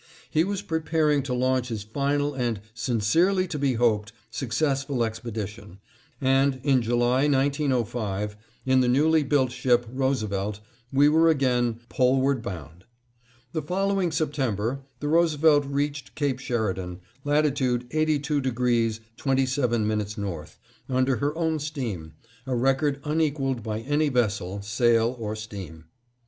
He was preparing to launch his final and "sincerely to be hoped" successful expedition, and in July, 1905, in the newly built ship, Roosevelt, we were again "Poleward bound." The following September, the Roosevelt reached Cape Sheridan, latitude 82° 27' north, under her own steam, a record unequaled by any other vessel, sail or steam.